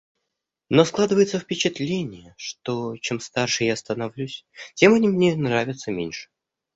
Но складывается впечатление, что, чем старше я становлюсь, тем они мне нравятся меньше.